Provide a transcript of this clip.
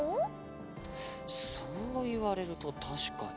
そういわれるとたしかに。